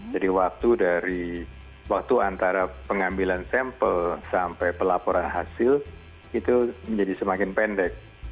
jadi waktu dari waktu antara pengambilan sampel sampai pelaporan hasil itu menjadi semakin pendek